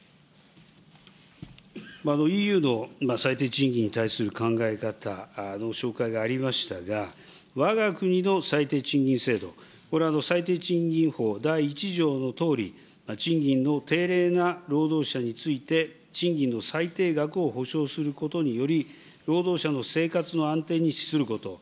ＥＵの最低賃金に対する考え方の紹介がありましたが、わが国の最低賃金制度、これ、最低賃金法第１条のとおり、賃金の低廉な労働者について、賃金の最低額を保障することにより、労働者の生活の安定に資すること。